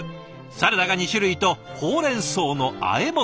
サラダが２種類とほうれんそうのあえ物。